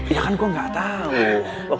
yang udah lighthouse ke